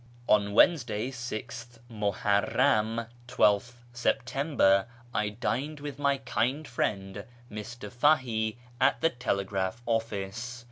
On Wednesday, 6th Muharram (12th September), I dined with my kind friend Mr. Fahie at the telegraph office.